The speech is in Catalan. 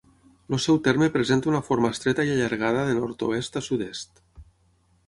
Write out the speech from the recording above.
El seu terme presenta una forma estreta i allargada de nord-oest a sud-est.